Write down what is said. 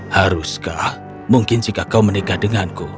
haruskah mungkin jika kau menikah denganku